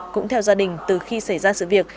cũng theo gia đình từ khi xảy ra sự việc